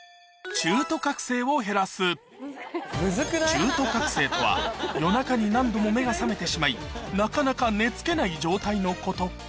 中途覚醒とは夜中に何度も目が覚めてしまいなかなか寝つけない状態のこと